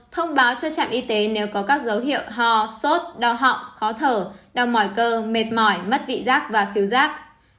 một thông báo cho trạm y tế nếu có các dấu hiệu ho sốt đau họng khó thở đau mỏi cơ mệt mỏi mất vị giác và khiếu giác